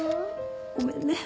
ごめんね。